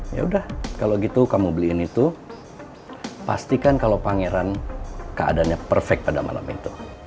yaudah kalau gitu kamu beliin itu pastikan kalau pangeran keadanya perfect pada malam itu